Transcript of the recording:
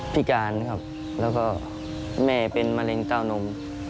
พิการครับแล้วก็แม่เป็นมะเร็งเต้านม